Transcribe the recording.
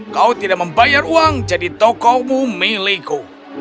kau tidak membayar uang jadi tokomu milikku